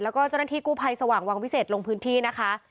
แล้วก็เจ้าหน้าที่กู้ภัยสว่างวังวิเศษลงพื้นที่นะคะ